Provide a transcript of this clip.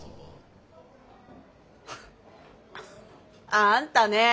あんたね